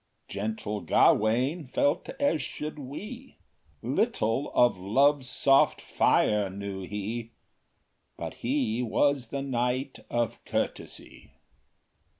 — Gentle Gawain felt as should we, Little of Love’s soft fire knew he: But he was the Knight of Courtesy.